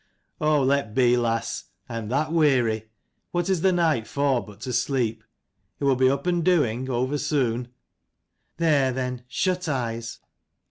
" "Oh let be, lass; I am that weary. What is the night for but to sleep? It will be up and doing, over soon." " There, then, shut eyes.